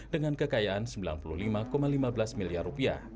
dengan kekayaan rp sembilan puluh lima lima belas miliar